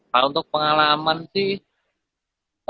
kalau untuk pengalaman sih